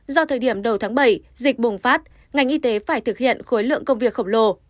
do thời điểm đầu tháng bảy dịch bùng phát ngành y tế phải thực hiện khối lượng công việc khổng lồ